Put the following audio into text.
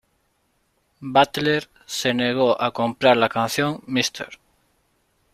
Butler se negó a comprar la canción "Mr.